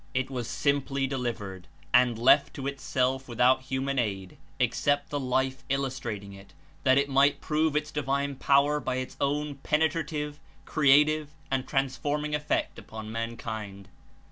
It was simply delivered and left to itself without hu man aid (except the life illustrating it) that it might prove its divine power by its own penetrative, creative and transforming effect upon mankind.